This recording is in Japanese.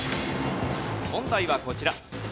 問題はこちら。